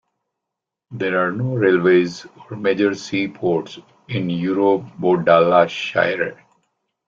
There are no railways or major seaports in Eurobodalla Shire.